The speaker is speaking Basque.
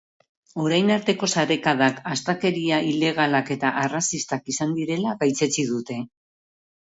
Orain arteko sarekadak, astakeria ilegalak eta arrazistak izan direla gaitzetsi dute.